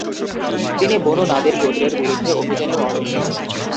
তিনি বনু নাদির গোত্রের বিরুদ্ধে অভিযানেও অংশ নিয়েছেন।